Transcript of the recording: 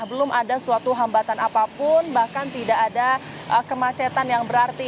belum ada suatu hambatan apapun bahkan tidak ada kemacetan yang berarti